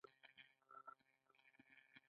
یو آس یې د زین او کیزې سره درکړی.